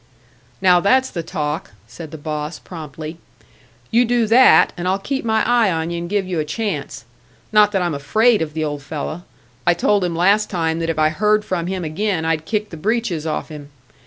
"Now that's the talk," said the boss, promptly. "You do that, and I'll keep my eye on you and give you a chance. Not that I'm afraid of the old fellow I told him last time that if I heard from him again, I'd kick the breeches off him.